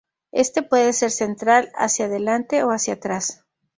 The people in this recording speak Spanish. Este puede ser central, hacia delante o hacia atrás.